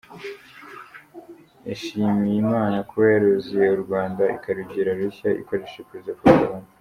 Yashimiye Imana kuba yarazuye u Rwanda ikarugira rushya, ikoresheje Perezida Paul Kagame.